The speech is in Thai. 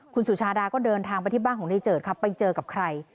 คุณสุชาดาก็เดินทางไปที่บ้านของในเจิดครับไปเจอกับใคร